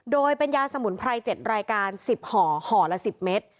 โดยเป็นยาสมุนไพร๗รายการ๑๐ห่อห่อละ๑๐เมตร